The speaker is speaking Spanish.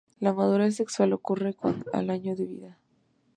La madurez sexual ocurre al año de vida.